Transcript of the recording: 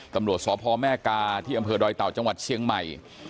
ตำรวจสพแม่กาที่อำเภอดอยเต่าจังหวัดเชียงใหม่